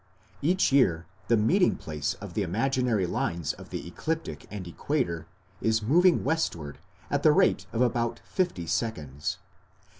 Each year the meeting place of the imaginary lines of the ecliptic and equator is moving westward at the rate of about fifty seconds.